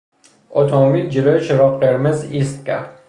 اتومبیل جلو چراغ قرمز ایست کرد.